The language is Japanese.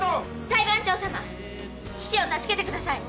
裁判長様父を助けてください！